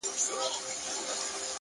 د حوصلې ځواک اوږده لارې لنډوي,